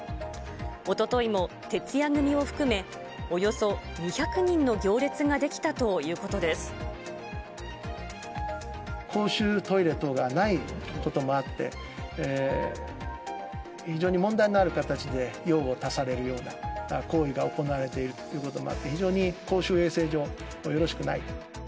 おとといも徹夜組を含め、およそ２００人の行列が出来たというこ公衆トイレ等がないこともあって、非常に問題のある形で用を足されるような行為が行われているということもあって、非常に公衆衛生上よろしくない。